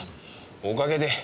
おかげで。